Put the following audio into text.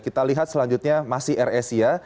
kita lihat selanjutnya masih air asia